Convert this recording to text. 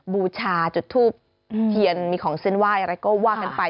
บูชาจุดทูบเทียนมีของเส้นไหว้อะไรก็ว่ากันไป